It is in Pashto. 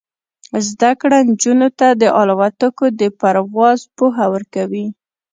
زده کړه نجونو ته د الوتکو د پرواز پوهه ورکوي.